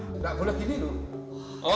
tidak boleh gini lho